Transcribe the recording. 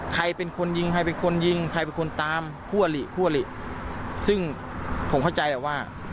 ใครเป็นคนยิงใครเป็นคนยิงใครเป็นคนตามคู่อลิคู่อลิซึ่งผมเข้าใจแหละว่า